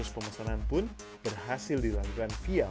empat bulan berikutnya